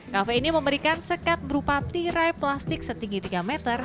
kafe ini memberikan sekat berupa tirai plastik setinggi tiga meter